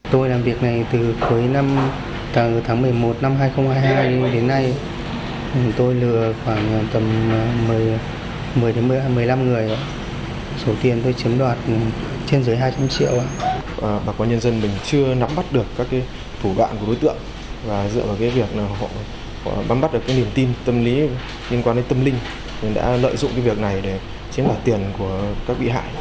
tùng đã bắt được niềm tin tâm lý liên quan đến tâm linh mình đã lợi dụng việc này để chiếm đoạt tiền của các bị hại